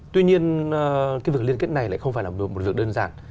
tuy nhiên cái việc liên kết này lại không phải là một việc đơn giản